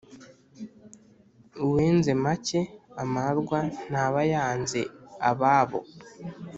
Uwenze make (amarwa) ntaba yanze ababo.